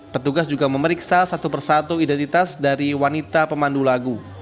petugas juga memeriksa satu persatu identitas dari wanita pemandu lagu